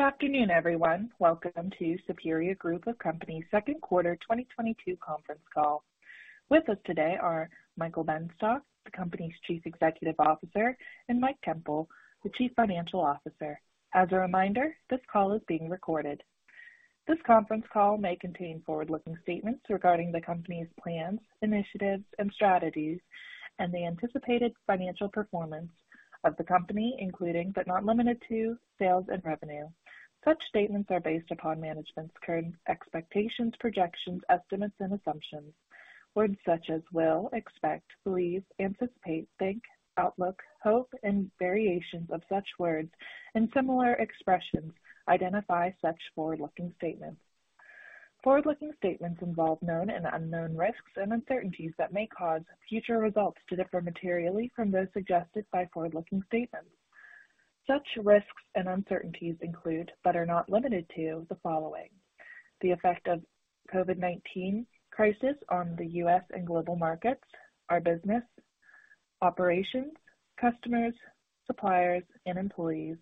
Good afternoon, everyone. Welcome to Superior Group of Companies' second quarter 2022 conference call. With us today are Michael Benstock, the company's Chief Executive Officer, and Mike Koempel, the Chief Financial Officer. As a reminder, this call is being recorded. This conference call may contain forward-looking statements regarding the company's plans, initiatives, and strategies, and the anticipated financial performance of the company, including but not limited to sales and revenue. Such statements are based upon management's current expectations, projections, estimates and assumptions. Words such as will, expect, believe, anticipate, think, outlook, hope, and variations of such words and similar expressions identify such forward-looking statements. Forward-looking statements involve known and unknown risks and uncertainties that may cause future results to differ materially from those suggested by forward-looking statements. Such risks and uncertainties include, but are not limited to, the following, the effect of COVID-19 crisis on the U.S. and global markets, our business operations, customers, suppliers, and employees,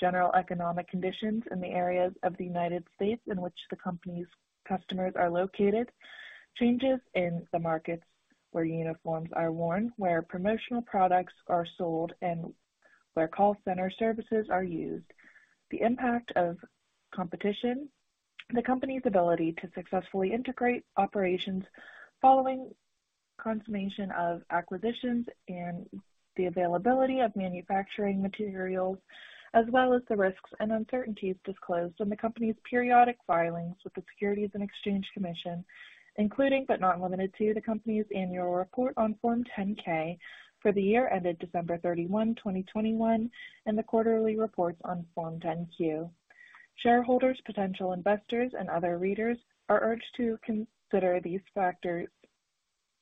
general economic conditions in the areas of the United States in which the company's customers are located, changes in the markets where uniforms are worn, where promotional products are sold, and where call center services are used, the impact of competition, the company's ability to successfully integrate operations following consummation of acquisitions, and the availability of manufacturing materials, as well as the risks and uncertainties disclosed in the company's periodic filings with the Securities and Exchange Commission, including, but not limited to, the company's annual report on Form 10-K for the year ended December 31st, 2021, and the quarterly reports on Form 10-Q. Shareholders, potential investors and other readers are urged to consider these factors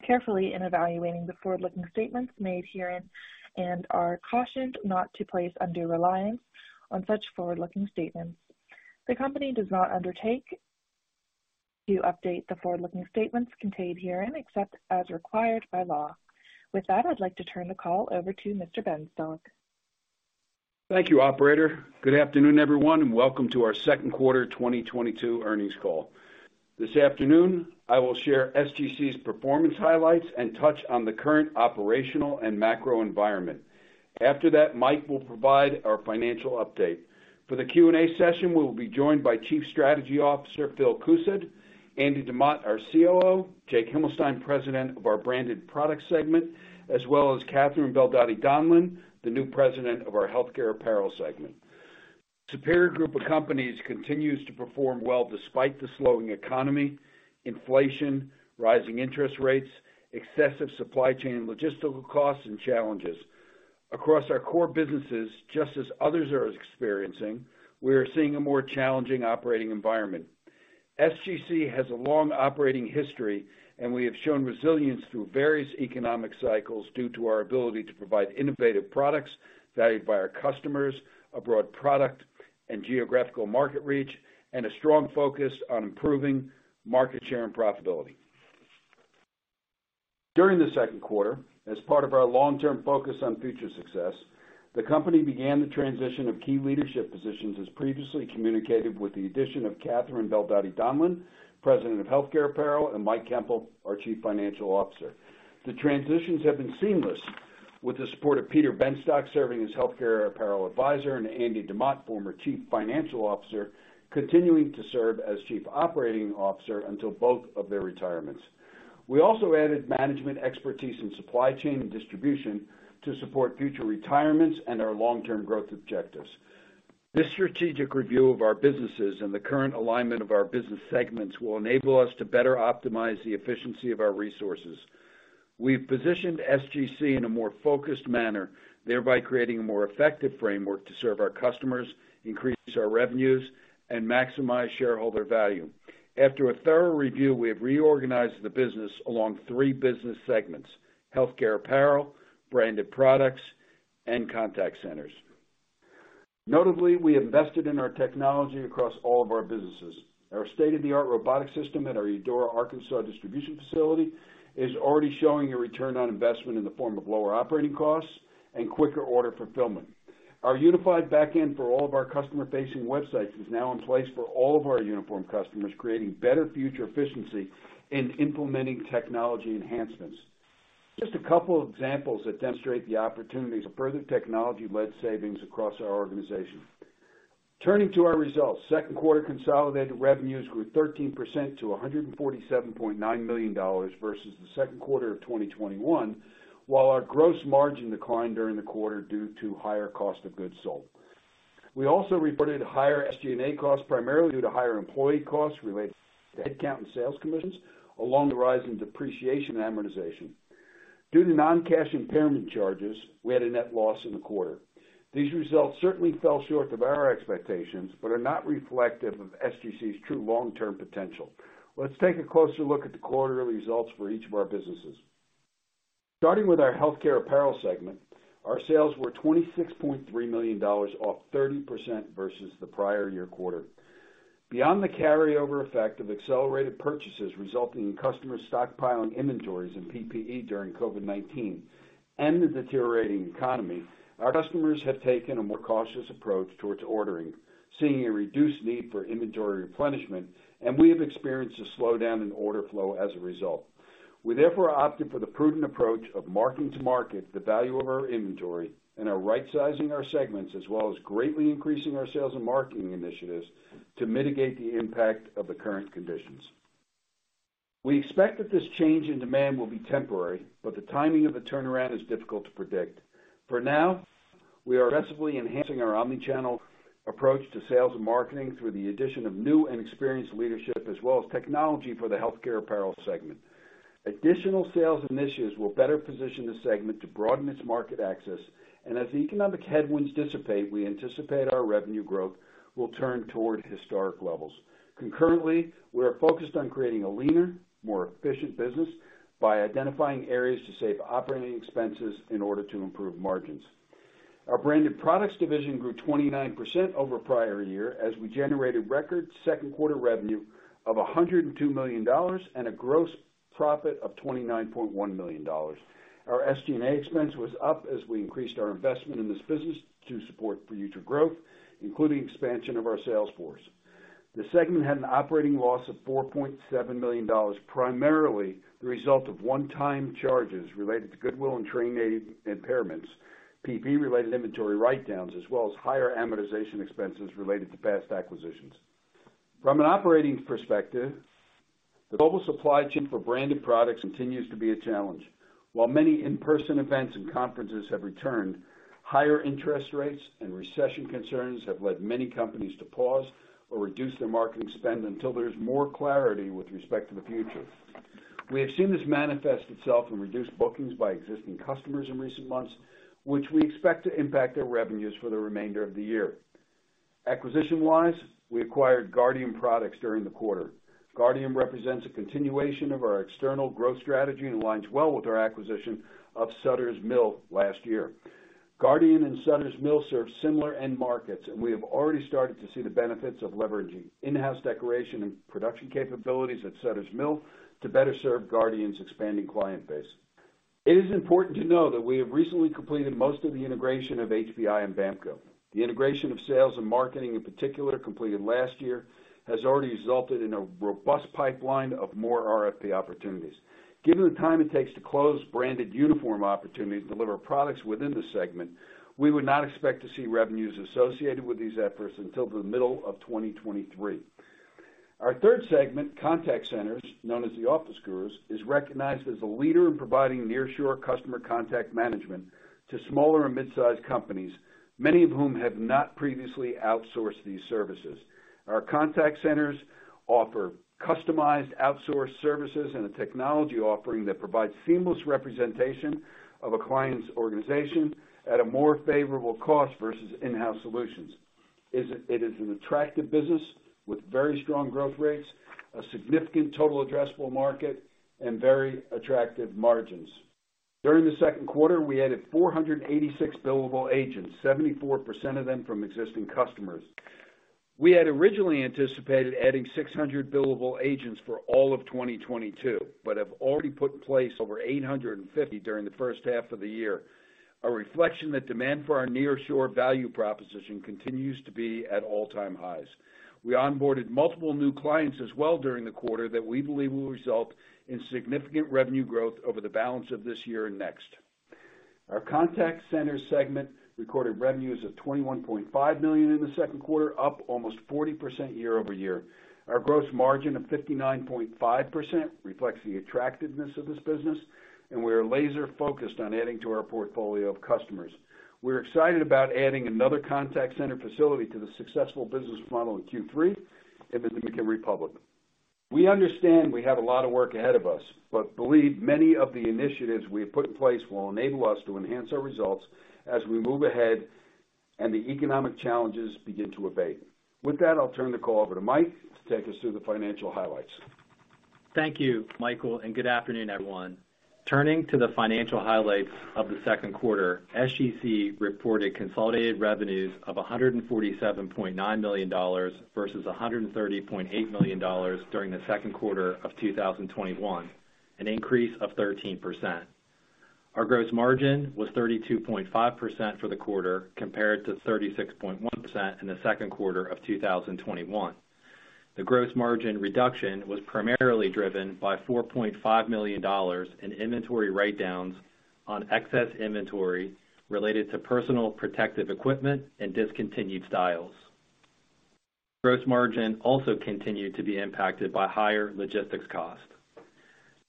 carefully in evaluating the forward-looking statements made herein and are cautioned not to place undue reliance on such forward-looking statements. The company does not undertake to update the forward-looking statements contained herein except as required by law. With that, I'd like to turn the call over to Mr. Benstock. Thank you, operator. Good afternoon, everyone, and welcome to our second quarter 2022 earnings call. This afternoon, I will share SGC's performance highlights and touch on the current operational and macro environment. After that, Mike will provide our financial update. For the Q&A session, we will be joined by Chief Strategy Officer Phil Koosed, Andy Demott, our COO, Jake Himelstein, President of our Branded Products segment, as well as Catherine Beldotti Donlan, the new President of our Healthcare Apparel segment. Superior Group of Companies continues to perform well despite the slowing economy, inflation, rising interest rates, excessive supply chain and logistical costs and challenges. Across our core businesses, just as others are experiencing, we are seeing a more challenging operating environment. SGC has a long operating history, and we have shown resilience through various economic cycles due to our ability to provide innovative products valued by our customers, a broad product and geographical market reach, and a strong focus on improving market share and profitability. During the second quarter, as part of our long-term focus on future success, the company began the transition of key leadership positions, as previously communicated with the addition of Catherine Beldotti Donlan, President of Healthcare Apparel, and Mike Koempel, our Chief Financial Officer. The transitions have been seamless with the support of Peter Benstock, serving as Healthcare Apparel Advisor, and Andy Demott, former Chief Financial Officer, continuing to serve as Chief Operating Officer until both of their retirements. We also added management expertise in supply chain and distribution to support future retirements and our long-term growth objectives. This strategic review of our businesses and the current alignment of our business segments will enable us to better optimize the efficiency of our resources. We've positioned SGC in a more focused manner, thereby creating a more effective framework to serve our customers, increase our revenues, and maximize shareholder value. After a thorough review, we have reorganized the business along three business segments Healthcare Apparel, Branded Products, and Contact Centers. Notably, we invested in our technology across all of our businesses. Our state-of-the-art robotic system at our Eudora, Arkansas distribution facility is already showing a return on investment in the form of lower operating costs and quicker order fulfillment. Our unified back-end for all of our customer-facing websites is now in place for all of our uniform customers, creating better future efficiency in implementing technology enhancements. Just a couple of examples that demonstrate the opportunities of further technology led savings across our organization. Turning to our results, second quarter consolidated revenues grew 13% to $147.9 million versus the second quarter of 2021. While our gross margin declined during the quarter due to higher cost of goods sold. We also reported higher SG&A costs, primarily due to higher employee costs related to headcount and sales commissions, along with the rise in depreciation and amortization. Due to non-cash impairment charges, we had a net loss in the quarter. These results certainly fell short of our expectations but are not reflective of SGC's true long-term potential. Let's take a closer look at the quarterly results for each of our businesses. Starting with our healthcare apparel segment, our sales were $26.3 million, off 30% versus the prior year quarter. Beyond the carryover effect of accelerated purchases resulting in customer stockpiling inventories and PPE during COVID-19 and the deteriorating economy, our customers have taken a more cautious approach towards ordering, seeing a reduced need for inventory replenishment, and we have experienced a slowdown in order flow as a result. We therefore opted for the prudent approach of marking to market the value of our inventory and are rightsizing our segments, as well as greatly increasing our sales and marketing initiatives to mitigate the impact of the current conditions. We expect that this change in demand will be temporary, but the timing of a turnaround is difficult to predict. For now, we are aggressively enhancing our omnichannel approach to sales and marketing through the addition of new and experienced leadership as well as technology for the healthcare apparel segment. Additional sales initiatives will better position the segment to broaden its market access, and as the economic headwinds dissipate, we anticipate our revenue growth will turn toward historic levels. Concurrently, we are focused on creating a leaner, more efficient business by identifying areas to save operating expenses in order to improve margins. Our branded products division grew 29% over prior year as we generated record second quarter revenue of $102 million and a gross profit of $29.1 million. Our SG&A expense was up as we increased our investment in this business to support future growth, including expansion of our sales force. The segment had an operating loss of $4.7 million, primarily the result of one-time charges related to goodwill and trade name impairments, PPE-related inventory write-downs, as well as higher amortization expenses related to past acquisitions. From an operating perspective, the global supply chain for Branded Products continues to be a challenge. While many in-person events and conferences have returned, higher interest rates and recession concerns have led many companies to pause or reduce their marketing spend until there is more clarity with respect to the future. We have seen this manifest itself in reduced bookings by existing customers in recent months, which we expect to impact our revenues for the remainder of the year. Acquisition-wise, we acquired Guardian Products during the quarter. Guardian represents a continuation of our external growth strategy and aligns well with our acquisition of Sutter's Mill last year. Guardian and Sutter's Mill serve similar end markets, and we have already started to see the benefits of leveraging in-house decoration and production capabilities at Sutter's Mill to better serve Guardian's expanding client base. It is important to know that we have recently completed most of the integration of HPI and BAMKO. The integration of sales and marketing, in particular, completed last year, has already resulted in a robust pipeline of more RFP opportunities. Given the time it takes to close branded uniform opportunities to deliver products within the segment, we would not expect to see revenues associated with these efforts until the middle of 2023. Our third segment, contact centers, known as The Office Gurus, is recognized as a leader in providing nearshore customer contact management to smaller and mid-size companies, many of whom have not previously outsourced these services. Our Contact Centers offer customized outsourced services and a technology offering that provides seamless representation of a client's organization at a more favorable cost versus in-house solutions. It is an attractive business with very strong growth rates, a significant total addressable market, and very attractive margins. During the second quarter, we added 486 billable agents, 74% of them from existing customers. We had originally anticipated adding 600 billable agents for all of 2022, but have already put in place over 850 during the first half of the year, a reflection that demand for our nearshore value proposition continues to be at all-time highs. We onboarded multiple new clients as well during the quarter that we believe will result in significant revenue growth over the balance of this year and next. Our contact center segment recorded revenues of $21.5 million in the second quarter, up almost 40% year-over-year. Our gross margin of 59.5% reflects the attractiveness of this business, and we are laser focused on adding to our portfolio of customers. We're excited about adding another contact center facility to the successful business model in Q3 in the Dominican Republic. We understand we have a lot of work ahead of us, but believe many of the initiatives we have put in place will enable us to enhance our results as we move ahead and the economic challenges begin to abate. With that, I'll turn the call over to Mike Koempel to take us through the financial highlights. Thank you, Michael Benstock, and good afternoon, everyone. Turning to the financial highlights of the second quarter, SGC reported consolidated revenues of $147.9 million versus $130.8 million during the second quarter of 2021, an increase of 13%. Our gross margin was 32.5% for the quarter compared to 36.1% in the second quarter of 2021. The gross margin reduction was primarily driven by $4.5 million in inventory write-downs on excess inventory related to personal protective equipment and discontinued styles. Gross margin also continued to be impacted by higher logistics costs.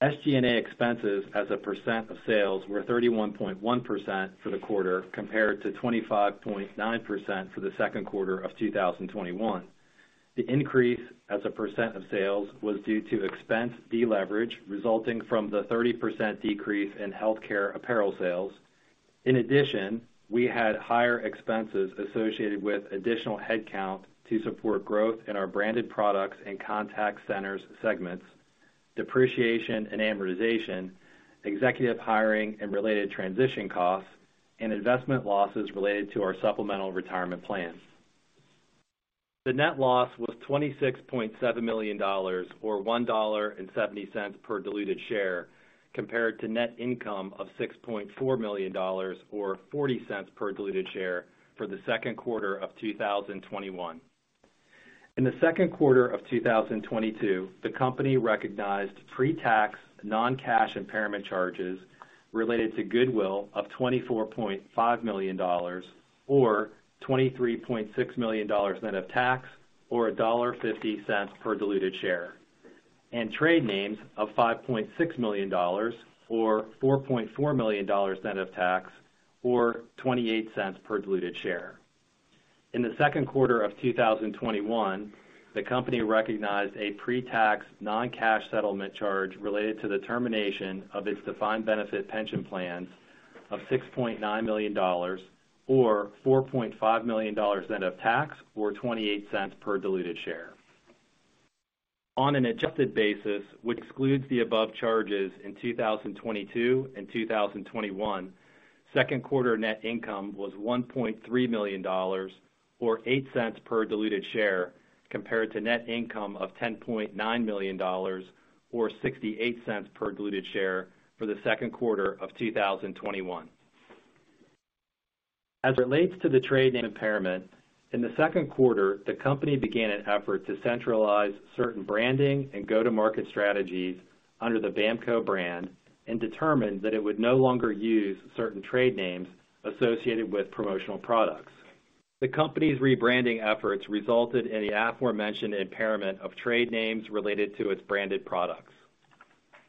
SG&A expenses as a percent of sales were 31.1% for the quarter, compared to 25.9% for the second quarter of 2021. The increase as a percent of sales was due to expense deleverage resulting from the 30% decrease in Healthcare Apparel sales. In addition, we had higher expenses associated with additional headcount to support growth in our Branded Products and Contact Centers segments, depreciation and amortization, executive hiring and related transition costs, and investment losses related to our supplemental retirement plans. The net loss was $26.7 million or $1.70 per diluted share compared to net income of $6.4 million or $0.40 per diluted share for the second quarter of 2021. In the second quarter of 2022, the company recognized pre-tax non-cash impairment charges related to goodwill of $24.5 million or $23.6 million net of tax or $1.50 per diluted share, and trade names of $5.6 million or $4.4 million net of tax or $0.28 per diluted share. In the second quarter of 2021, the company recognized a pre-tax non-cash settlement charge related to the termination of its defined benefit pension plans of $6.9 million or $4.5 million net of tax or $0.28 per diluted share. On an adjusted basis, which excludes the above charges in 2022 and 2021, second quarter net income was $1.3 million or $0.08 per diluted share compared to net income of $10.9 million or $0.68 per diluted share for the second quarter of 2021. As it relates to the trade name impairment, in the second quarter, the company began an effort to centralize certain branding and go-to-market strategies under the BAMKO brand and determined that it would no longer use certain trade names associated with promotional products. The company's rebranding efforts resulted in the aforementioned impairment of trade names related to its branded products.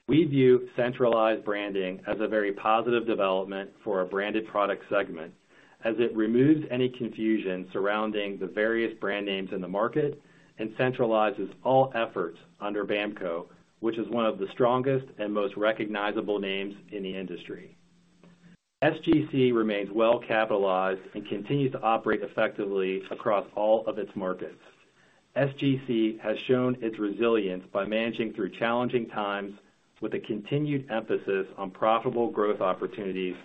We view centralized branding as a very positive development for our branded product segment as it removes any confusion surrounding the various brand names in the market and centralizes all efforts under BAMKO, which is one of the strongest and most recognizable names in the industry. SGC remains well capitalized and continues to operate effectively across all of its markets. SGC has shown its resilience by managing through challenging times with a continued emphasis on profitable growth opportunities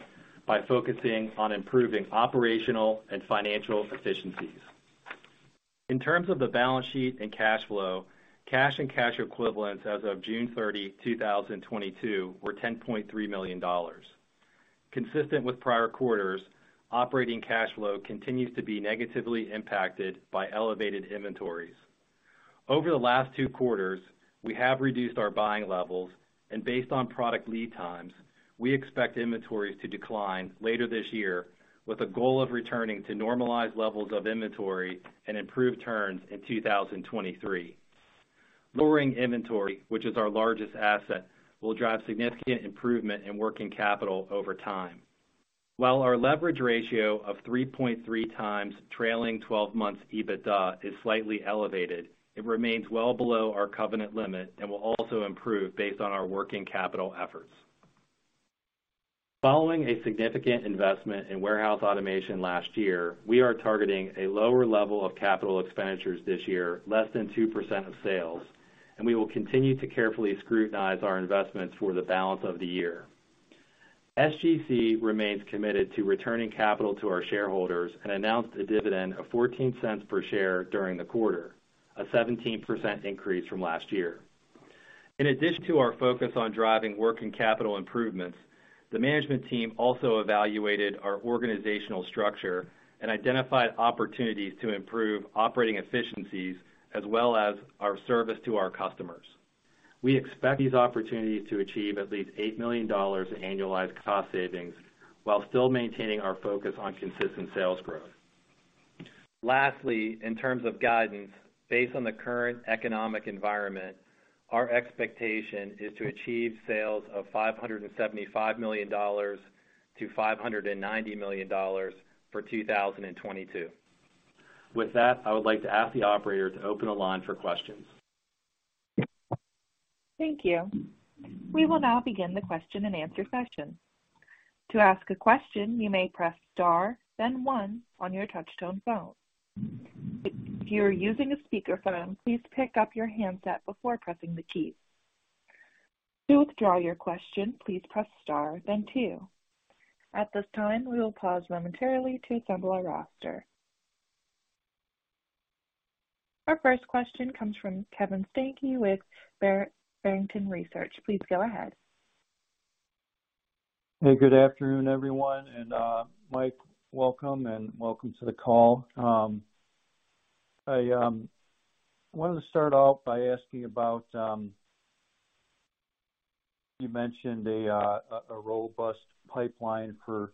by focusing on improving operational and financial efficiencies. In terms of the balance sheet and cash flow, cash and cash equivalents as of June 30th, 2022 were $10.3 million. Consistent with prior quarters, operating cash flow continues to be negatively impacted by elevated inventories. Over the last two quarters, we have reduced our buying levels and based on product lead times, we expect inventories to decline later this year with a goal of returning to normalized levels of inventory and improved turns in 2023. Lowering inventory, which is our largest asset, will drive significant improvement in working capital over time. While our leverage ratio of 3.3x trailing 12 months EBITDA is slightly elevated, it remains well below our covenant limit and will also improve based on our working capital efforts. Following a significant investment in warehouse automation last year, we are targeting a lower level of capital expenditures this year, less than 2% of sales, and we will continue to carefully scrutinize our investments for the balance of the year. SGC remains committed to returning capital to our shareholders and announced a dividend of $0.14 per share during the quarter, a 17% increase from last year. In addition to our focus on driving working capital improvements, the management team also evaluated our organizational structure and identified opportunities to improve operating efficiencies as well as our service to our customers. We expect these opportunities to achieve at least $8 million in annualized cost savings while still maintaining our focus on consistent sales growth. Lastly, in terms of guidance, based on the current economic environment, our expectation is to achieve sales of $575 million-$590 million for 2022. With that, I would like to ask the operator to open the line for questions. Thank you. We will now begin the question-and-answer session. To ask a question, you may press star, then one on your touchtone phone. If you are using a speakerphone, please pick up your handset before pressing the keys. To withdraw your question, please press star then two. At this time, we will pause momentarily to assemble our roster. Our first question comes from Kevin Steinke with Barrington Research. Please go ahead. Hey, good afternoon, everyone. Mike Koempel, welcome to the call. I wanted to start off by asking about you mentioned a robust pipeline for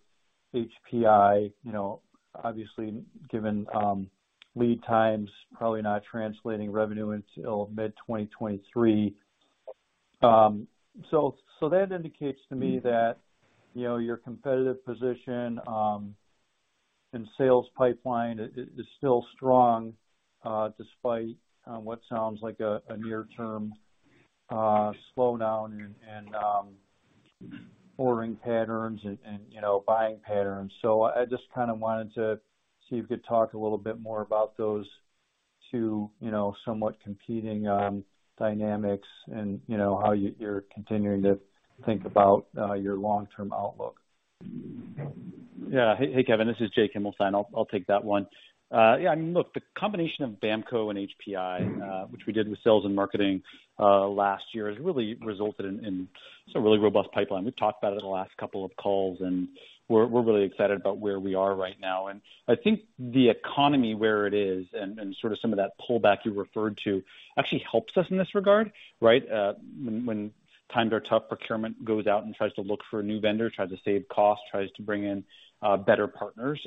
HPI. You know, obviously given lead times probably not translating revenue until mid-2023. So that indicates to me that, you know, your competitive position and sales pipeline is still strong despite what sounds like a near term slowdown and ordering patterns and, you know, buying patterns. I just kind of wanted to see if you could talk a little bit more about those two, you know, somewhat competing dynamics and, you know, how you're continuing to think about your long-term outlook. Yeah. Hey, Kevin, this is Jake Himelstein. I'll take that one. Yeah, I mean, look, the combination of BAMKO and HPI, which we did with sales and marketing last year, has really resulted in some really robust pipeline. We've talked about it in the last couple of calls, and we're really excited about where we are right now. I think the economy where it is and sort of some of that pullback you referred to actually helps us in this regard, right? When times are tough, procurement goes out and tries to look for a new vendor, tries to save costs, tries to bring in better partners.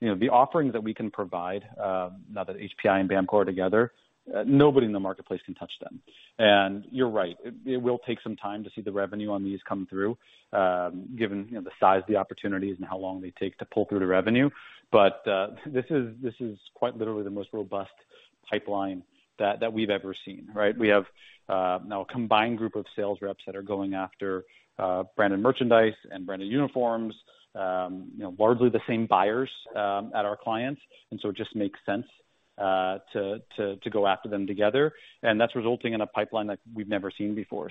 You know, the offerings that we can provide now that HPI and BAMKO are together, nobody in the marketplace can touch them. You're right, it will take some time to see the revenue on these come through, given, you know, the size of the opportunities and how long they take to pull through the revenue. This is quite literally the most robust pipeline that we've ever seen, right? We have now a combined group of sales reps that are going after branded merchandise and branded uniforms, you know, largely the same buyers at our clients. It just makes sense to go after them together. That's resulting in a pipeline that we've never seen before.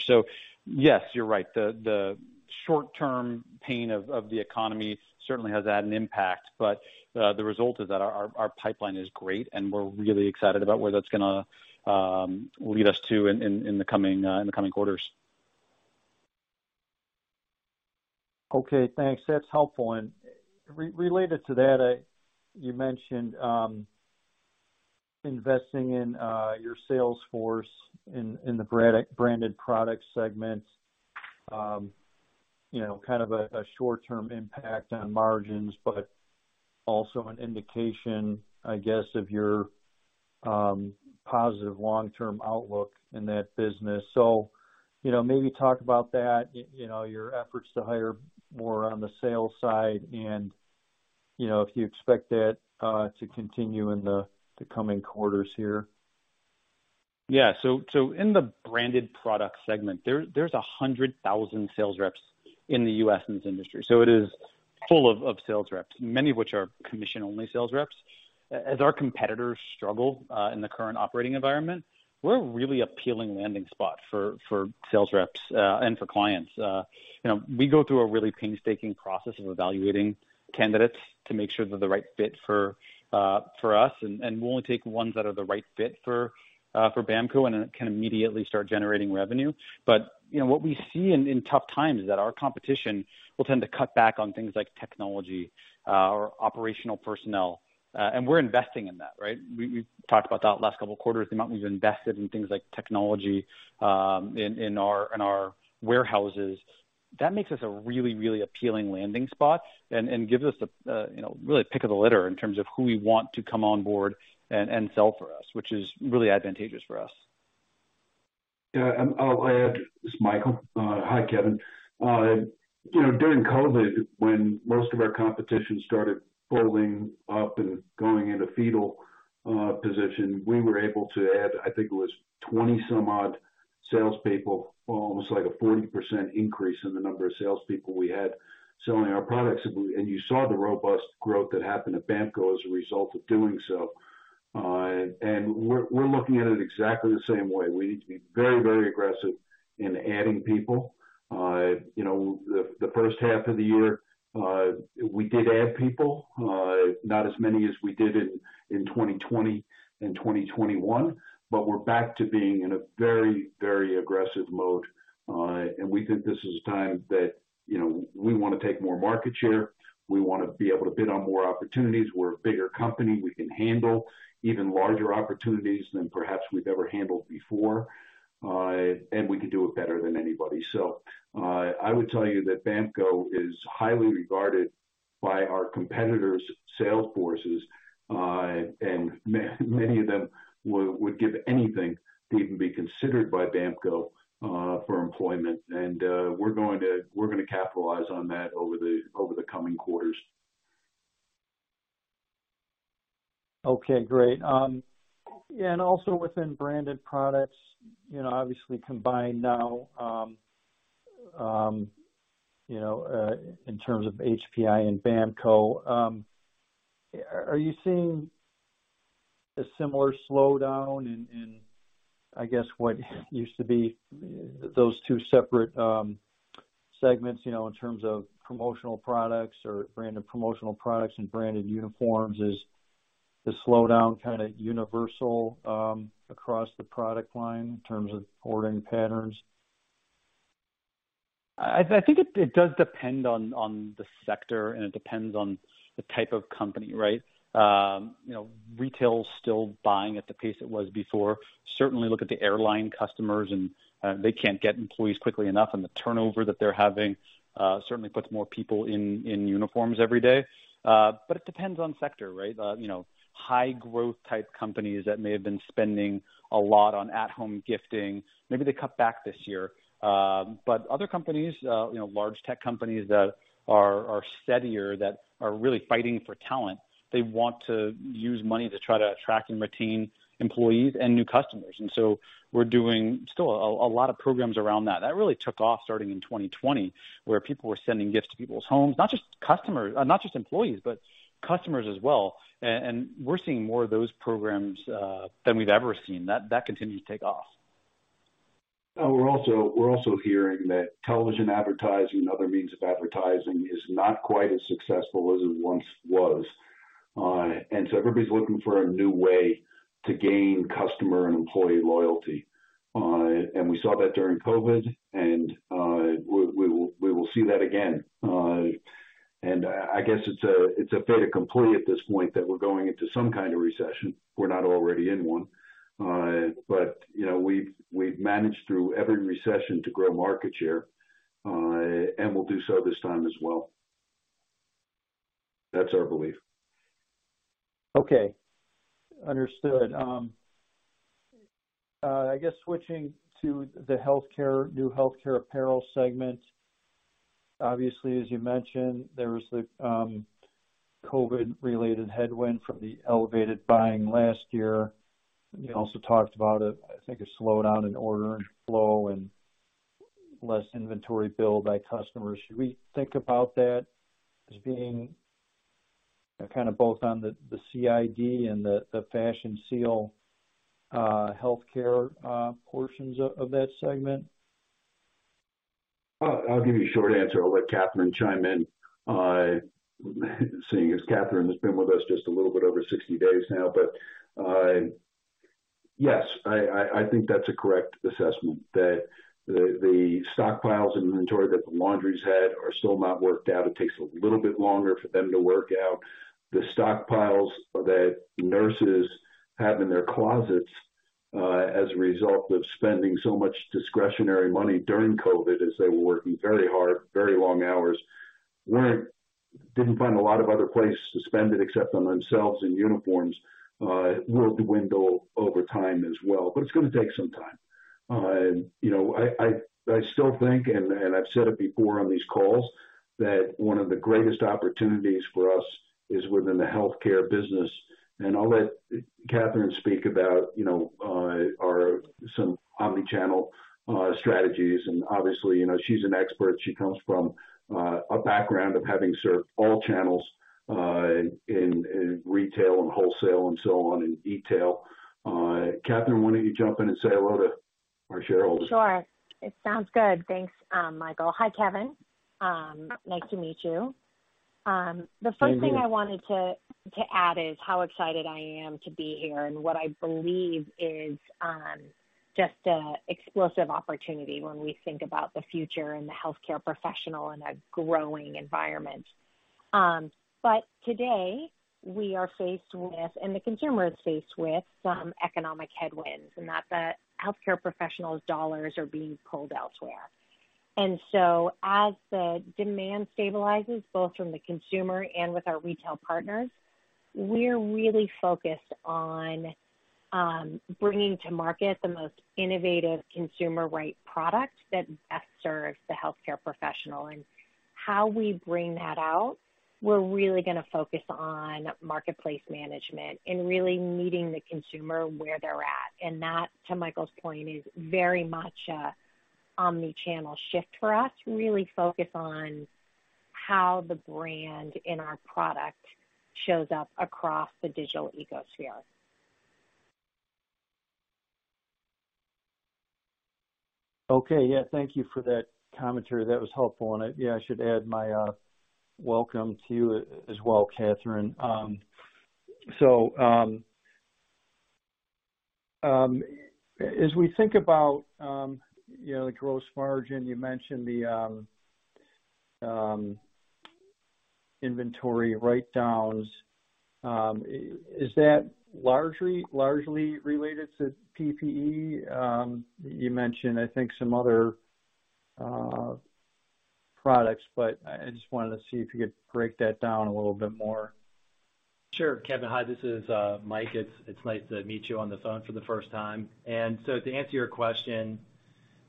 Yes, you're right. The short-term pain of the economy certainly has had an impact, but the result of that, our pipeline is great, and we're really excited about where that's gonna lead us to in the coming quarters. Okay, thanks. That's helpful. Related to that, you mentioned investing in your sales force in the branded product segment, you know, kind of a short-term impact on margins, but also an indication, I guess, of your positive long-term outlook in that business. You know, maybe talk about that, you know, your efforts to hire more on the sales side and, you know, if you expect that to continue in the coming quarters here. Yeah. In the Branded Products segment, there's 100,000 sales reps in the U.S. in this industry, so it is full of sales reps, many of which are commission-only sales reps. As our competitors struggle in the current operating environment, we're a really appealing landing spot for sales reps and for clients. You know, we go through a really painstaking process of evaluating candidates to make sure they're the right fit for us. We only take ones that are the right fit for BAMKO and can immediately start generating revenue. You know, what we see in tough times is that our competition will tend to cut back on things like technology or operational personnel. We're investing in that, right? We talked about that last couple of quarters, the amount we've invested in things like technology in our warehouses. That makes us a really appealing landing spot and gives us a you know really pick of the litter in terms of who we want to come on board and sell for us, which is really advantageous for us. Yeah. I'll add. This is Michael Benstock. Hi, Kevin Steinke. You know, during COVID, when most of our competition started folding up and going into fetal position, we were able to add, I think it was 20 some odd salespeople, almost like a 40% increase in the number of salespeople we had selling our products. You saw the robust growth that happened at BAMKO as a result of doing so. We're looking at it exactly the same way. We need to be very, very aggressive in adding people. You know, the first half of the year, we did add people, not as many as we did in 2020 and 2021, but we're back to being in a very, very aggressive mode. We think this is a time that, you know, we wanna take more market share. We wanna be able to bid on more opportunities. We're a bigger company. We can handle even larger opportunities than perhaps we've ever handled before. We can do it better than anybody. I would tell you that BAMKO is highly regarded by our competitors' sales forces. Many of them would give anything to even be considered by BAMKO for employment. We're gonna capitalize on that over the coming quarters. Okay, great. Yeah, and also within Branded Products, you know, obviously combined now, you know, in terms of HPI and BAMKO, are you seeing a similar slowdown in, I guess, what used to be those two separate segments, you know, in terms of promotional products or branded promotional products and branded uniforms? Is the slowdown kinda universal, across the product line in terms of ordering patterns? I think it does depend on the sector, and it depends on the type of company, right? You know, retail is still buying at the pace it was before. Certainly look at the airline customers and they can't get employees quickly enough, and the turnover that they're having certainly puts more people in uniforms every day. But it depends on sector, right? You know, high growth type companies that may have been spending a lot on at home gifting, maybe they cut back this year. But other companies, you know, large tech companies that are steadier, that are really fighting for talent, they want to use money to try to attract and retain employees and new customers. And so we're doing still a lot of programs around that. That really took off starting in 2020, where people were sending gifts to people's homes, not just employees, but customers as well. We're seeing more of those programs than we've ever seen. That continued to take off. We're also hearing that television advertising and other means of advertising is not quite as successful as it once was. Everybody's looking for a new way to gain customer and employee loyalty. We saw that during COVID, and we will see that again. I guess it's a fait accompli at this point that we're going into some kind of recession. We're not already in one. You know, we've managed through every recession to grow market share, and we'll do so this time as well. That's our belief. Okay. Understood. I guess switching to the new healthcare apparel segment. Obviously, as you mentioned, there was the COVID related headwind from the elevated buying last year. You also talked about, I think, a slowdown in order flow and less inventory build by customers. Should we think about that as being kind of both on the CID and the Fashion Seal Healthcare portions of that segment? I'll give you a short answer. I'll let Catherine chime in, seeing as Catherine has been with us just a little bit over 60 days now. Yes, I think that's a correct assessment that the stockpiles inventory that the laundries had are still not worked out. It takes a little bit longer for them to work out. The stockpiles that nurses have in their closets, as a result of spending so much discretionary money during COVID, as they were working very hard, very long hours, didn't find a lot of other places to spend it except on themselves and uniforms, will dwindle over time as well, but it's gonna take some time. You know, I still think, and I've said it before on these calls, that one of the greatest opportunities for us is within the healthcare business. I'll let Catherine speak about, you know, our some omnichannel strategies. Obviously, you know, she's an expert. She comes from a background of having served all channels in retail and wholesale and so on in e-tail. Catherine, why don't you jump in and say hello to our shareholders? Sure. It sounds good. Thanks, Michael. Hi, Kevin. Nice to meet you. And you. The first thing I wanted to add is how excited I am to be here and what I believe is just an explosive opportunity when we think about the future and the healthcare professional in a growing environment. Today we are faced with, and the consumer is faced with some economic headwinds, and that the healthcare professionals' dollars are being pulled elsewhere. As the demand stabilizes, both from the consumer and with our retail partners, we're really focused on bringing to market the most innovative consumer right product that best serves the healthcare professional. How we bring that out, we're really gonna focus on marketplace management and really meeting the consumer where they're at. That, to Michael's point, is very much a omnichannel shift for us, really focus on how the brand in our product shows up across the digital ecosystem. Okay. Yeah, thank you for that commentary. That was helpful. Yeah, I should add my welcome to you as well, Catherine. As we think about, you know, the gross margin, you mentioned the inventory write-downs. Is that largely related to PPE? You mentioned, I think, some other products, but I just wanted to see if you could break that down a little bit more. Sure. Kevin, hi, this is Mike. It's nice to meet you on the phone for the first time. To answer your question,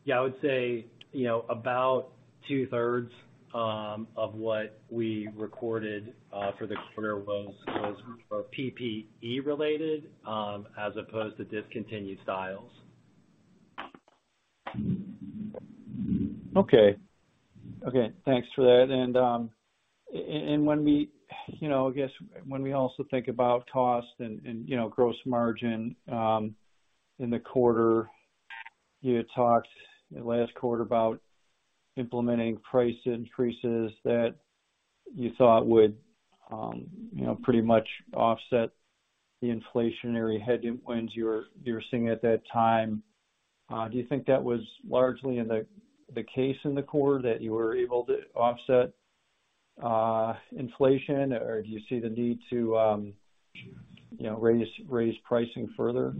yeah, I would say, you know, about two-thirds of what we recorded for the quarter was PPE related, as opposed to discontinued styles. Okay. Thanks for that. You know, I guess when we also think about cost and, you know, gross margin in the quarter, you had talked last quarter about implementing price increases that you thought would, you know, pretty much offset the inflationary headwinds you were seeing at that time. Do you think that was largely in the case in the quarter that you were able to offset inflation, or do you see the need to, you know, raise pricing further?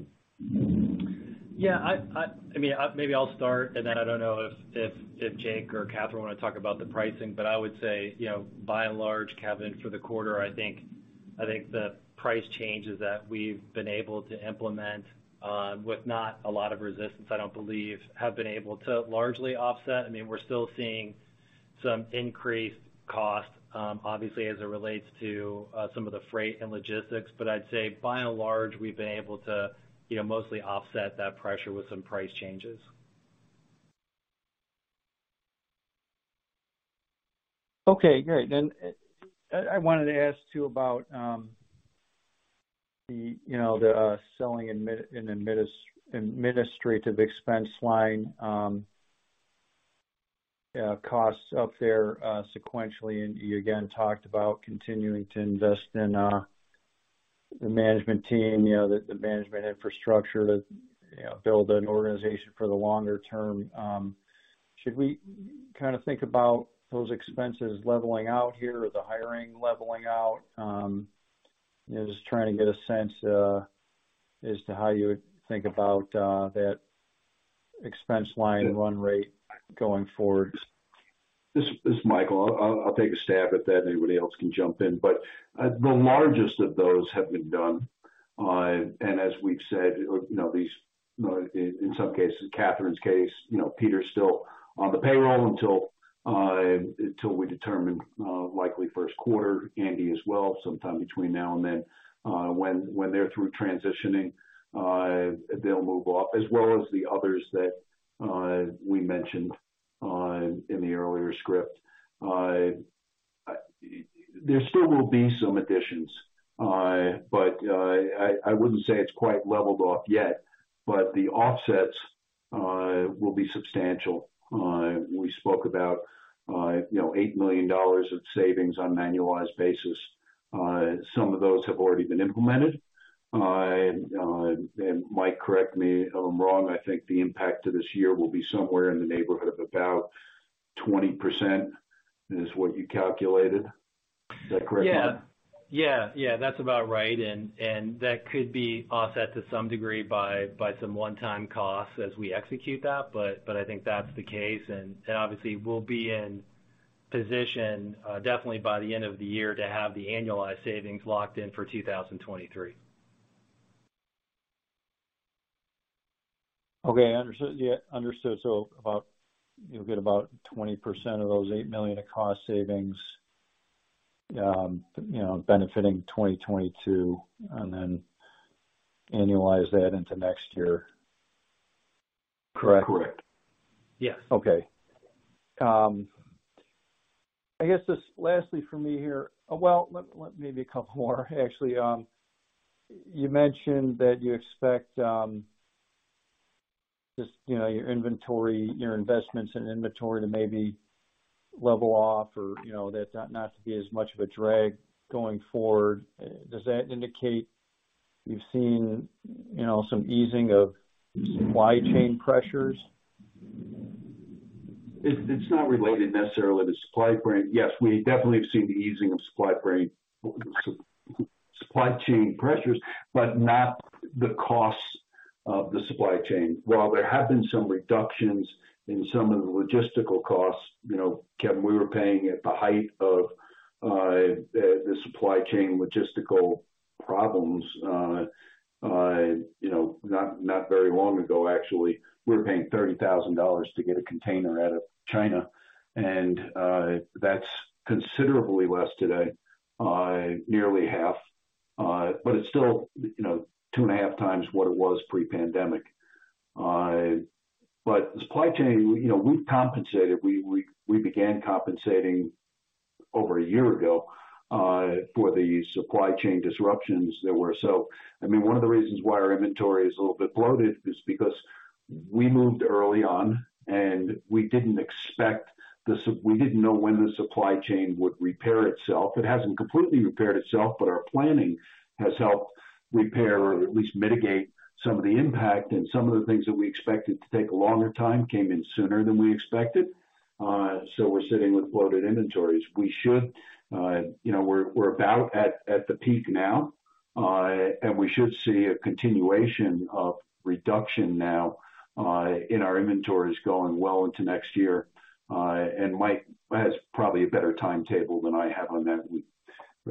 Yeah, I mean, maybe I'll start and then I don't know if Jake or Catherine wanna talk about the pricing, but I would say, by and large, Kevin, for the quarter, I think the price changes that we've been able to implement with not a lot of resistance, I don't believe, have been able to largely offset. I mean, we're still seeing some increased cost, obviously as it relates to some of the freight and logistics. But I'd say by and large, we've been able to, mostly offset that pressure with some price changes. Okay, great. I wanted to ask too about, you know, the selling and administrative expense line costs up there sequentially. You again talked about continuing to invest in the management team, you know, the management infrastructure to build an organization for the longer term. Should we kind of think about those expenses leveling out here or the hiring leveling out? You know, just trying to get a sense as to how you would think about that expense line run rate going forward. This is Michael. I'll take a stab at that and anybody else can jump in. The largest of those have been done. As we've said, you know, these. In some cases, Catherine's case, you know, Peter's still on the payroll until we determine, likely first quarter. Andy as well, sometime between now and then. When they're through transitioning, they'll move off, as well as the others that we mentioned in the earlier script. There still will be some additions. I wouldn't say it's quite leveled off yet. The offsets will be substantial. We spoke about, you know, $8 million of savings on annualized basis. Some of those have already been implemented. Mike, correct me if I'm wrong, I think the impact to this year will be somewhere in the neighborhood of about 20% is what you calculated. Is that correct, Mike? Yeah, that's about right. That could be offset to some degree by some one-time costs as we execute that. I think that's the case. Obviously we'll be in position, definitely by the end of the year to have the annualized savings locked in for 2023. Okay. Understood. Yeah, understood. You'll get about 20% of those $8 million of cost savings, you know, benefiting 2022, and then annualize that into next year. Correct? Yes. Okay. I guess just lastly from me here. Well, let maybe a couple more actually. You mentioned that you expect, your investments in inventory to maybe level off or, you know, that not to be as much of a drag going forward. Does that indicate you've seen, you know, some easing of supply chain pressures? It's not related necessarily to supply chain. Yes, we definitely have seen the easing of supply chain pressures, but not the costs of the supply chain. While there have been some reductions in some of the logistical costs, you know, Kevin, we were paying at the height of the supply chain logistical problems, you know, not very long ago, actually. We were paying $30,000 to get a container out of China. That's considerably less today, nearly half. It's still 2.5x What it was pre-pandemic. The supply chain, you know, we've compensated. We began compensating over a year ago for the supply chain disruptions that were so I mean, one of the reasons why our inventory is a little bit bloated is because we moved early on, and we didn't know when the supply chain would repair itself. It hasn't completely repaired itself, but our planning has helped repair or at least mitigate some of the impact. Some of the things that we expected to take a longer time came in sooner than we expected. We're sitting with bloated inventories. We're about at the peak now, and we should see a continuation of reduction now in our inventories going well into next year. Mike has probably a better timetable than I have on that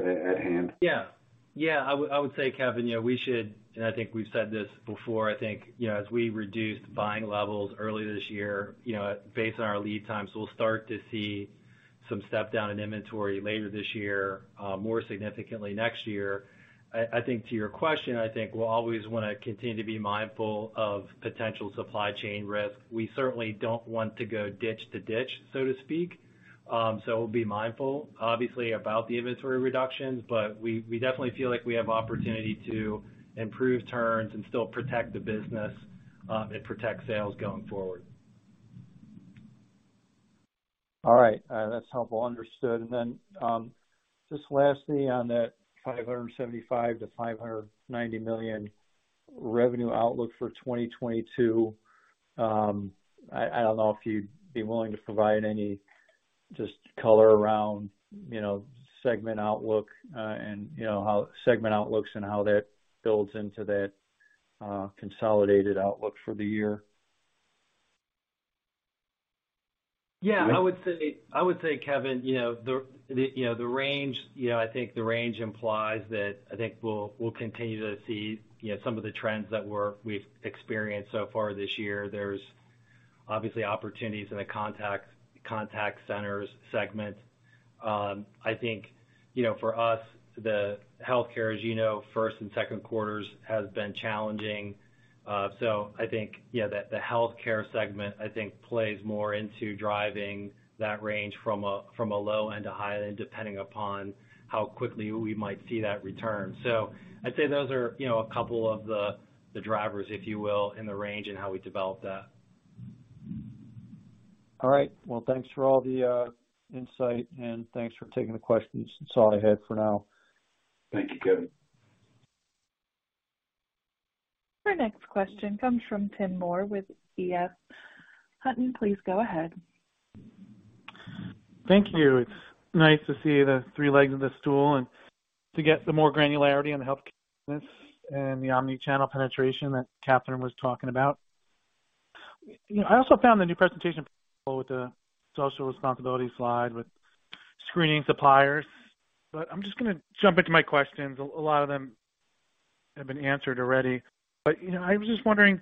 at hand. Yeah, I would say, Kevin, you know, we should, and I think we've said this before, I think, you know, as we reduced buying levels early this year, you know, based on our lead times, we'll start to see some step down in inventory later this year, more significantly next year. I think to your question, I think we'll always wanna continue to be mindful of potential supply chain risk. We certainly don't want to go ditch to ditch, so to speak. We'll be mindful obviously about the inventory reductions, but we definitely feel like we have opportunity to improve turns and still protect the business, and protect sales going forward. All right. That's helpful. Understood. Just lastly on that $575 million-$590 million revenue outlook for 2022, I don't know if you'd be willing to provide any just color around, you know, segment outlook, and you know, how segment outlooks and how that builds into that, consolidated outlook for the year. Yeah. I would say, Kevin, I think the range implies that I think we'll continue to see, you know, some of the trends that we've experienced so far this year. There's obviously opportunities in the contact centers segment. I think you know, for us, the healthcare, as you know, first and second quarters has been challenging. So I think, yeah, the healthcare segment, I think plays more into driving that range from a low end to high end, depending upon how quickly we might see that return. I'd say those are, you know, a couple of the drivers, if you will, in the range and how we develop that. All right. Well, thanks for all the insight, and thanks for taking the questions. That's all I had for now. Thank you, Kevin. Our next question comes from Tim Moore with E.F. Hutton. Please go ahead. Thank you. It's nice to see the three legs of the stool and to get some more granularity on the healthcare business and the omnichannel penetration that Catherine was talking about. You know, I also found the new presentation with the social responsibility slide with screening suppliers. I'm just gonna jump into my questions. A lot of them have been answered already. You know, I was just wondering,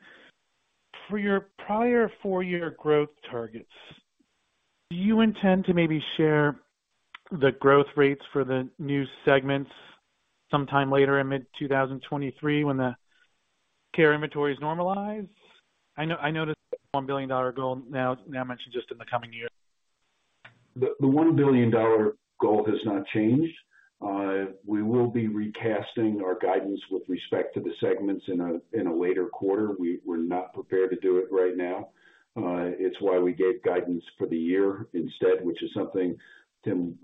for your prior four-year growth targets, do you intend to maybe share the growth rates for the new segments sometime later in mid-2023 when the care inventory is normalized? I noticed the $1 billion goal now mentioned just in the coming years. The $1 billion goal has not changed. We will be recasting our guidance with respect to the segments in a later quarter. We're not prepared to do it right now. It's why we gave guidance for the year instead, which is something, Tim,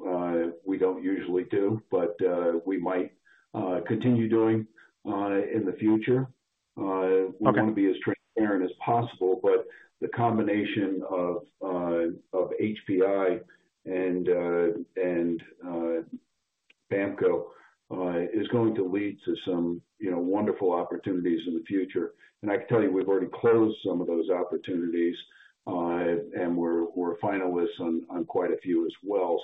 we don't usually do, but we might continue doing in the future. Okay. We wanna be as transparent as possible, but the combination of HPI and BAMKO is going to lead to some, you know, wonderful opportunities in the future. I can tell you, we've already closed some of those opportunities, and we're finalists on quite a few as well.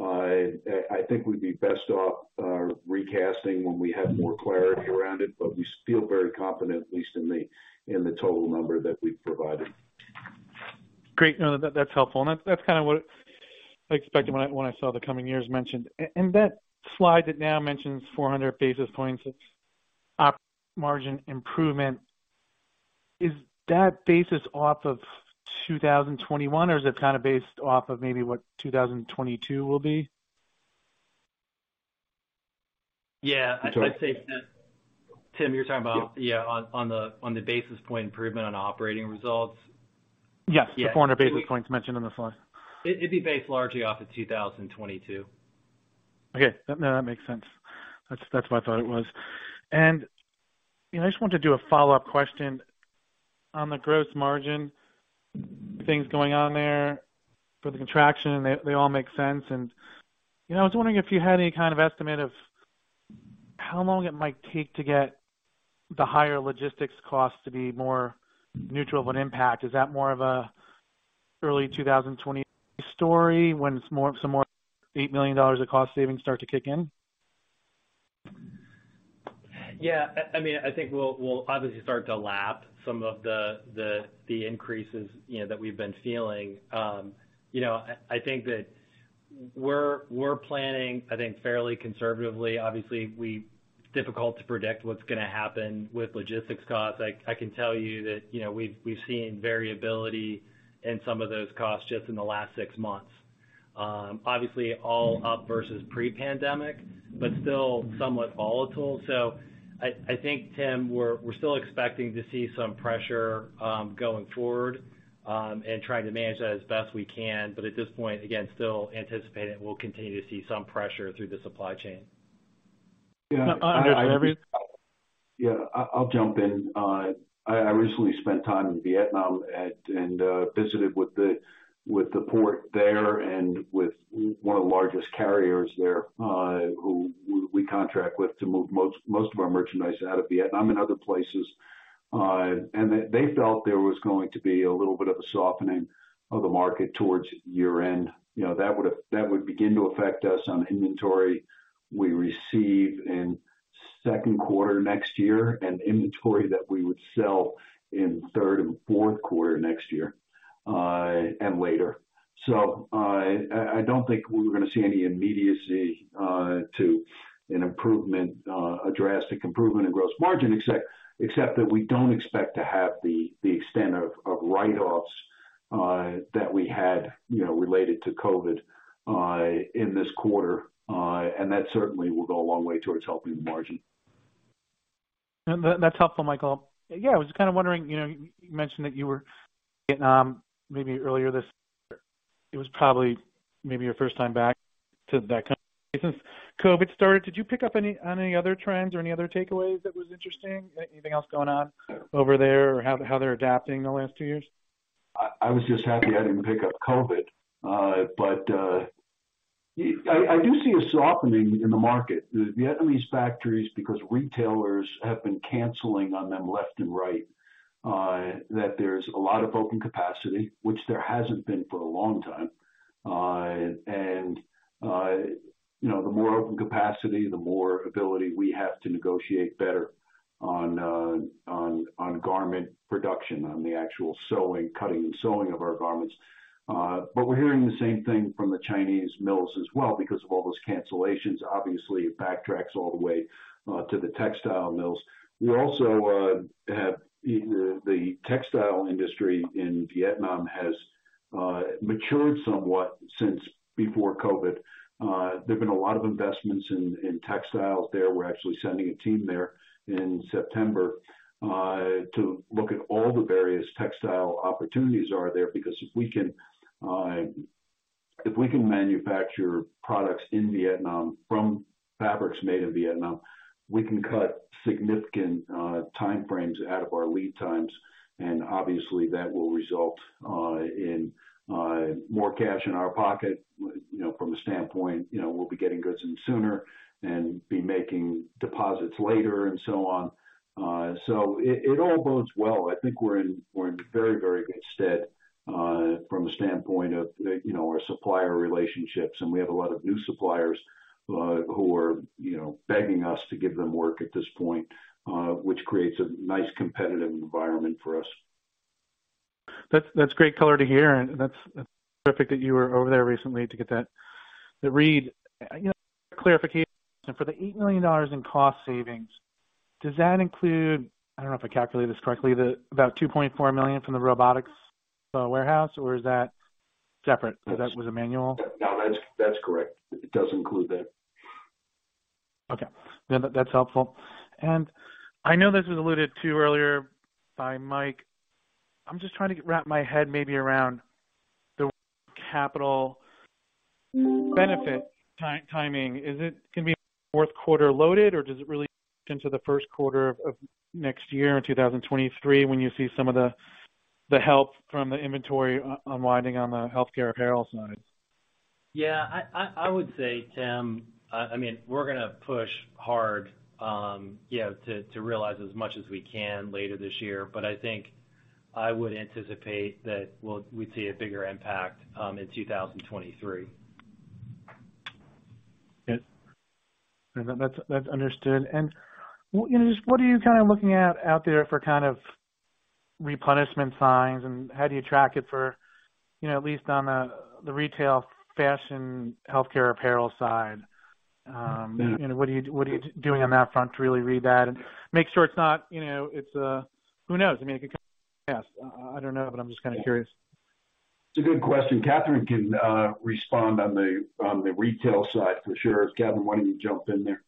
I think we'd be best off recasting when we have more clarity around it, but we feel very confident, at least in the total number that we've provided. Great. No, that's helpful. That's kind of what I expected when I saw the coming years mentioned. That slide that now mentions 400 basis points of op margin improvement, is that based off of 2021 or is it kind of based off of maybe what 2022 will be? Yeah. Sure. I'd say, Tim, you're talking about... On the basis point improvement on operating results? Yeah. The 400 basis points mentioned on the slide. It'd be based largely off of 2022. Okay. That, no, that makes sense. That's what I thought it was. You know, I just wanted to do a follow-up question on the gross margin things going on there for the contraction, and they all make sense. You know, I was wondering if you had any kind of estimate of how long it might take to get the higher logistics costs to be more neutral of an impact. Is that more of an early 2020 story when some more $8 million of cost savings start to kick in? Yeah. I mean, I think we'll obviously start to lap some of the increases, you know, that we've been feeling. You know, I think that we're planning, I think, fairly conservatively. Obviously, difficult to predict what's gonna happen with logistics costs. I can tell you that, you know, we've seen variability in some of those costs just in the last six months. Obviously all up versus pre-pandemic, but still somewhat volatile. I think, Tim, we're still expecting to see some pressure, going forward, and trying to manage that as best we can. At this point, again, still anticipating we'll continue to see some pressure through the supply chain. Yeah. I'll jump in. I recently spent time in Vietnam and visited with the port there and with one of the largest carriers there, who we contract with to move most of our merchandise out of Vietnam and other places. They felt there was going to be a little bit of a softening of the market towards year-end. You know, that would begin to affect us on inventory we receive in second quarter next year and inventory that we would sell in third and fourth quarter next year, and later. I don't think we're gonna see any immediacy to an improvement, a drastic improvement in gross margin, except that we don't expect to have the extent of write-offs that we had, you know, related to COVID, in this quarter. That certainly will go a long way towards helping the margin. No, that's helpful, Michael. Yeah, I was just kinda wondering, you know, you mentioned that you were in Vietnam maybe earlier this year. It was probably maybe your first time back to that country since COVID started. Did you pick up anything on any other trends or any other takeaways that was interesting? Anything else going on over there or how they're adapting the last two years? I was just happy I didn't pick up COVID. I do see a softening in the market. The Vietnamese factories, because retailers have been canceling on them left and right, that there's a lot of open capacity, which there hasn't been for a long time. You know, the more open capacity, the more ability we have to negotiate better. On garment production, on the actual sewing, cutting, and sewing of our garments. We're hearing the same thing from the Chinese mills as well because of all those cancellations. Obviously, it backtracks all the way to the textile mills. The textile industry in Vietnam has matured somewhat since before COVID. There've been a lot of investments in textiles there. We're actually sending a team there in September to look at all the various textile opportunities are there, because if we can manufacture products in Vietnam from fabrics made in Vietnam, we can cut significant time frames out of our lead times, and obviously that will result in more cash in our pocket. You know, from a standpoint, you know, we'll be getting goods in sooner and be making deposits later and so on. So it all bodes well. I think we're in very good stead from the standpoint of our supplier relationships. We have a lot of new suppliers who are you know begging us to give them work at this point, which creates a nice competitive environment for us. That's great color to hear, and that's terrific that you were over there recently to get that read. You know, clarification. For the $8 million in cost savings, does that include I don't know if I calculated this correctly, the about $2.4 million from the robotics warehouse, or is that separate? That was a manual. No, that's correct. It does include that. Okay. Yeah, that's helpful. I know this was alluded to earlier by Mike. I'm just trying to wrap my head maybe around the capital benefit timing. Is it gonna be fourth quarter loaded, or does it spill into the first quarter of next year in 2023 when you see some of the help from the inventory unwinding on the Healthcare Apparel side? Yeah. I would say, Tim, I mean, we're gonna push hard, you know, to realize as much as we can later this year, but I think I would anticipate that we'd see a bigger impact in 2023. Yeah. That's understood. Just what are you kinda looking at out there for kind of replenishment signs, and how do you track it for, you know, at least on the retail fashion Healthcare Apparel side? What are you doing on that front to really read that and make sure it's not, you know, it's. Who knows? I mean, I don't know, but I'm just kinda curious. It's a good question. Catherine can respond on the retail side for sure. Catherine, why don't you jump in there?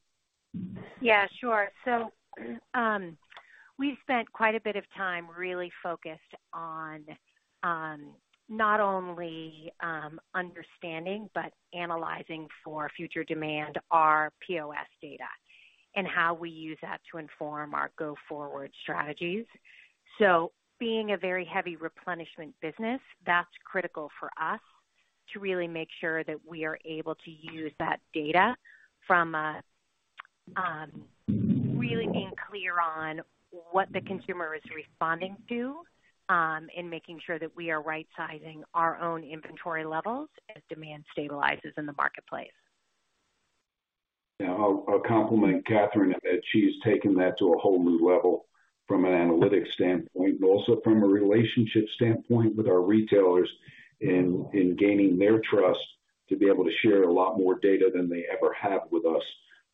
Yeah, sure. We've spent quite a bit of time really focused on not only understanding, but analyzing for future demand our POS data and how we use that to inform our go-forward strategies. Being a very heavy replenishment business, that's critical for us to really make sure that we are able to use that data from really being clear on what the consumer is responding to in making sure that we are right-sizing our own inventory levels as demand stabilizes in the marketplace. Yeah. I'll compliment Catherine that she's taken that to a whole new level from an analytics standpoint, and also from a relationship standpoint with our retailers in gaining their trust to be able to share a lot more data than they ever have with us,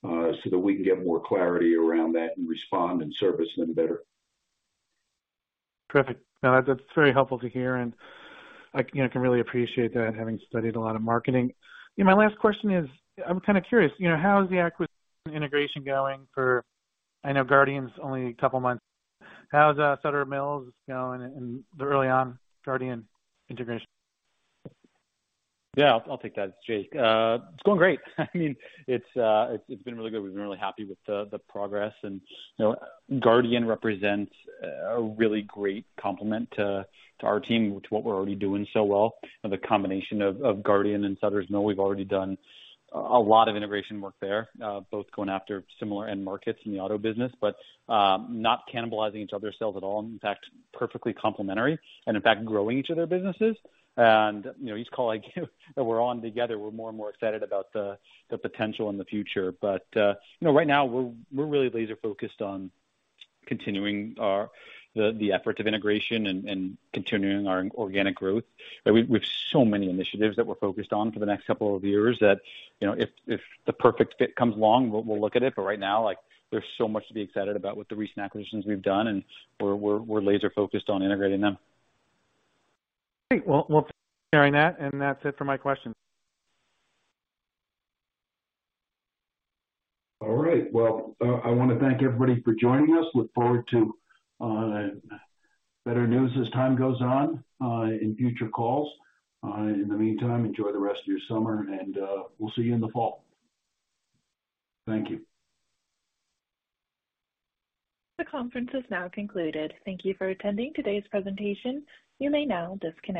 so that we can get more clarity around that and respond and service them better. Perfect. No, that's very helpful to hear, and I can really appreciate that, having studied a lot of marketing. Yeah. My last question is, I'm kinda curious, you know, how is the acquisition integration going for Guardian. I know Guardian's only a couple months. How's Sutter's Mill going in the early on Guardian integration? Yeah, I'll take that. It's Jake. It's going great. I mean, it's been really good. We've been really happy with the progress. You know, Guardian represents a really great complement to our team, which is what we're already doing so well. The combination of Guardian and Sutter's Mill, we've already done a lot of integration work there, both going after similar end markets in the auto business, but not cannibalizing each other's sales at all. In fact, perfectly complementary and in fact growing each of their businesses. You know, each call I get that we're on together, we're more and more excited about the potential in the future. You know, right now we're really laser focused on continuing our effort of integration and continuing our organic growth. We've so many initiatives that we're focused on for the next couple of years that, you know, if the perfect fit comes along, we'll look at it. Right now, like, there's so much to be excited about with the recent acquisitions we've done, and we're laser focused on integrating them. Great. Well, we'll share that, and that's it for my questions. All right. Well, I wanna thank everybody for joining us. Look forward to better news as time goes on in future calls. In the meantime, enjoy the rest of your summer and we'll see you in the fall. Thank you. The conference is now concluded. Thank you for attending today's presentation. You may now disconnect.